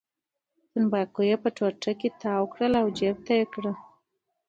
تنباکو یې په ټوټه کې تاو کړل او جېب ته یې کړل.